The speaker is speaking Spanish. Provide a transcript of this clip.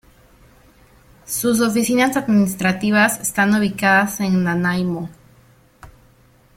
Sus oficinas administrativas están ubicadas en Nanaimo.